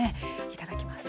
いただきます。